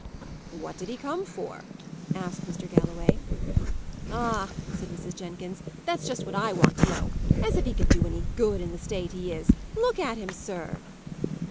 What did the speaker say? "What did he come for?" asked Mr. Galloway. "Ah!" said Mrs. Jenkins, "that's just what I want to know! As if he could do any good in the state he is! Look at him, sir."